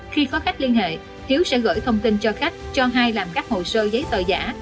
khi có khách liên hệ hiếu sẽ gửi thông tin cho khách cho hai làm các hồ sơ giấy tờ giả